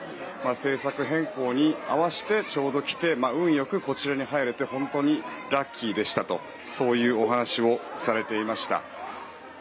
政策変更に合わせてちょうど来て運良く、こちらに入れて本当にラッキーでしたというお話をされていました。